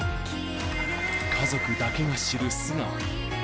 家族だけが知る素顔。